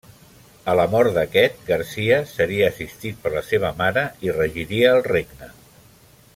A la mort d'aquest, Garcia seria assistit per la seva mare i regiria el regne.